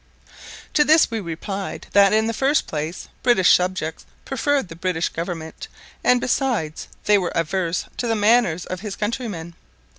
To this we replied that, in the first place, British subjects preferred the British government; and, besides, they were averse to the manners of his countrymen.